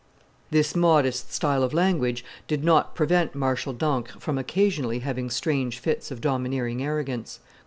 This modest style of language did not prevent Marshal d'Ancre from occasionally having strange fits of domineering arrogance.